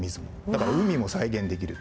だから海も再現できる。